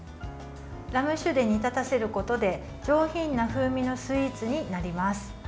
ラム酒で煮立たせることで上品な風味のスイーツになります。